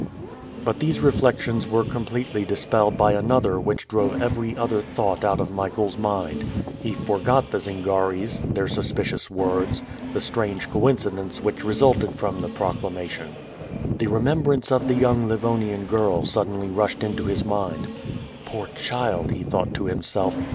But these reflections were completely dispelled by another which drove every other thought out of Michael's mind. He forgot the Zingaris, their suspicious words, the strange coincidence which resulted from the proclamation. The remembrance of the young Livonian girl suddenly rushed into his mind. "Poor child!" he thought to himself.